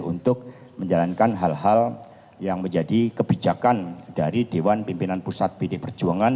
untuk menjalankan hal hal yang menjadi kebijakan dari dewan pimpinan pusat pd perjuangan